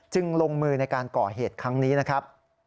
ลงมือในการก่อเหตุครั้งนี้นะครับ